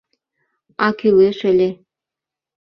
А кӱлеш ыле...